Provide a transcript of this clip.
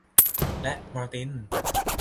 และมาร์ติน